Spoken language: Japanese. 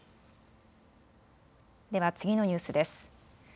では次のニュースです。